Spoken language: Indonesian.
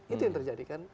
itu yang terjadi kan